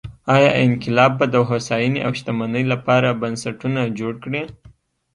ایا انقلاب به د هوساینې او شتمنۍ لپاره بنسټونه جوړ کړي؟